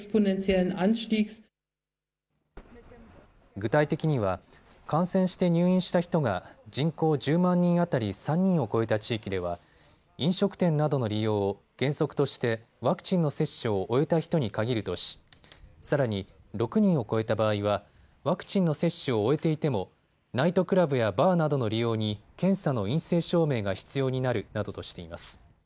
具体的には、感染して入院した人が人口１０万人当たり３人を超えた地域では、飲食店などの利用を原則としてワクチンの接種を終えた人に限るとしさらに６人を超えた場合はワクチンの接種を終えていてもナイトクラブやバーなどの利用に検査の陰性証明が必要になるなどとしています。